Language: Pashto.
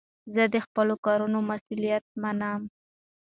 زه د خپلو کارونو مسئولیت منم.